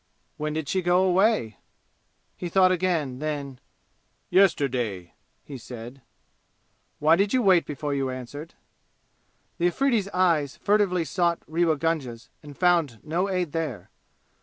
"When did she go away?" He thought again, then "Yesterday," he said. "Why did you wait before you answered?" The Afridi's eyes furtively sought Rewa Gunga's and found no aid there.